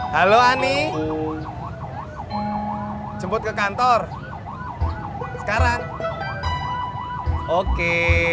halo ani jemput ke kantor sekarang oke